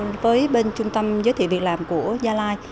thật ra khi kết nối với bên trung tâm giới thiệu việc làm của gia lai